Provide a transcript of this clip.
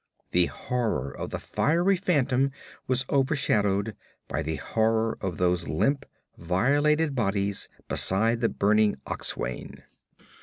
The horror of the fiery phantom was overshadowed by the horror of those limp, violated bodies beside the burning ox wain.